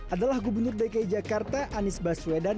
adalah gubernur dki jakarta anies baswedan